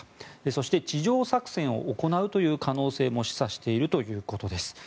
そして、地上作戦を行うという可能性も示唆しているということです。